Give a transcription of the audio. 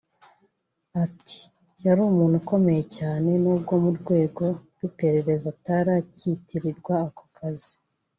Ati “Yari umuntu ukomeye cyane n’ubwo mu rwego rw’iperereza atari akitirirwa ako kazi